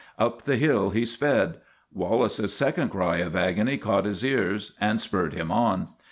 Up the hill he sped. Wallace's second cry of agony caught his ears and spurred him on.